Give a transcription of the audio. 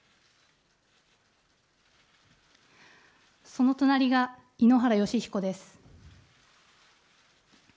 その隣が井ノ原快彦です。